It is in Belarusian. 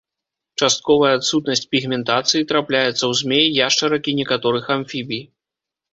Частковая адсутнасць пігментацыі трапляецца ў змей, яшчарак і некаторых амфібій.